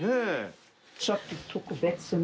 ちょっと特別な。